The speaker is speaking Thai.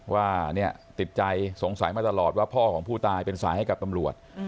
ว่าติดใจสงสัยมาตลอดว่าพ่อของผู้ตายเป็นสายให้กับตำรวจ